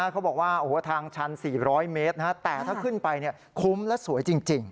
เขาบอกว่าทางชัน๔๐๐เมตรแต่ถ้าขึ้นไปคุ้มและสวยจริง